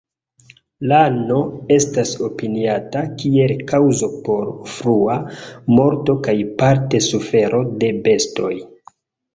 Lano estas opiniata kiel kaŭzo por frua morto kaj parte sufero de bestoj.